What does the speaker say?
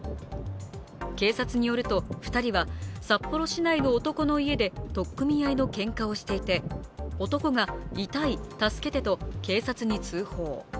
警察によると、２人は札幌市内の男の家で取っ組み合いのけんかをしていて男が「痛い、助けて」と警察に通報。